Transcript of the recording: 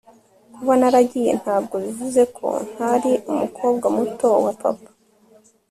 kuba naragiye ntabwo bivuze ko ntari umukobwa muto wa papa